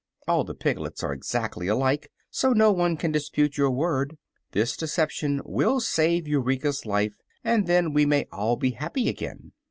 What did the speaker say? All the piglets are exactly alike, so no one can dispute your word. This deception will save Eureka's life, and then we may all be happy again."